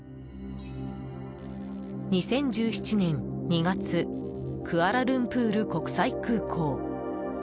２０１７年２月クアラルンプール国際空港。